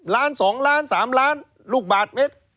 ล้านสองล้านสามล้านลูกบาทเม็ด